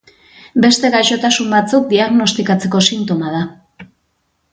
Beste gaixotasun batzuk diagnostikatzeko sintoma da.